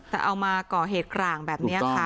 แต่เอามาก่อเหตุกลางแบบนี้ค่ะ